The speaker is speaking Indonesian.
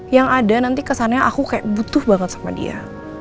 yang ada nanti kesannya aku kayak butuh banget sama dia